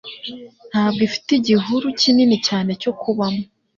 ntabwo ifite igihuru kinini cyane cyo kubamo